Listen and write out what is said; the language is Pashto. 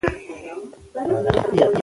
نفت د افغانستان د فرهنګي فستیوالونو برخه ده.